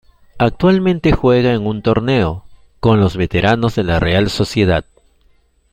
Actualmente juega en un torneo, con los veteranos de la Real Sociedad.